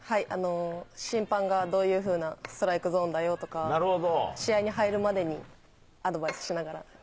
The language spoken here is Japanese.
審判がどういうふうなストライクゾーンだよとか、試合に入るまでに、アドバイスしながら。